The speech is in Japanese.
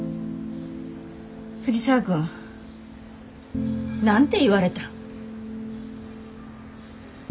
藤沢君何て言われたん？